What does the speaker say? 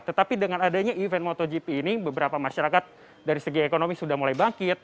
tetapi dengan adanya event motogp ini beberapa masyarakat dari segi ekonomi sudah mulai bangkit